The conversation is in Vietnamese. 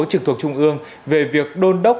trực thuộc trung ương về việc đôn đốc